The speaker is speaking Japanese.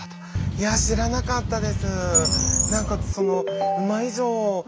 いや知らなかったです。